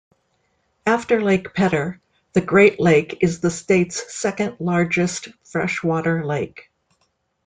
After Lake Pedder, the Great Lake is the state's second largest freshwater lake.